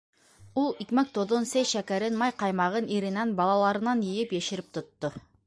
Ул икмәк-тоҙон, сәй-шәкәрен, май-ҡаймағын иренән, балаларынан йыйып, йәшереп тотто.